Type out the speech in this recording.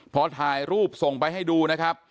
พอถ่ายรูปส่งไปให้ดู